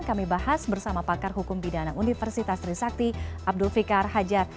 kami bahas bersama pakar hukum pidana universitas trisakti abdul fikar hajar